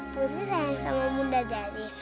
putri sayang sama bunda dari